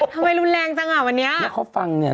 ทำไมรุนแรงจังหรอวันนี้